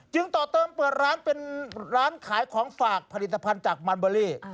ต่อเติมเปิดร้านเป็นร้านขายของฝากผลิตภัณฑ์จากมันเบอรี่